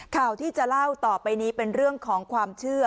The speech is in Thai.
ข่าวที่จะเล่าต่อไปนี้เป็นเรื่องของความเชื่อ